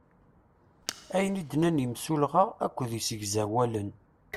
Ayen i d-nnan imsulɣa akked deg isegzawalen.